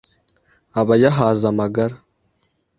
Aba yahaze amagara